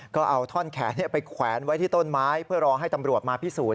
ก็เอาท่อนแขนไปแขวนไว้ที่ต้นไม้เพื่อรอให้ตำรวจมาพิสูจน